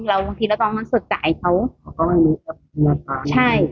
บางทีเราต้องการศัรรย์จ่ายเขาก็ไม่รู้ใช่